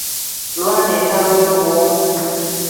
Lwana entalo zo bw'omu.